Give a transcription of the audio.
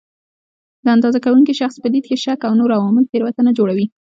د اندازه کوونکي شخص په لید کې شک او نور عوامل تېروتنه جوړوي.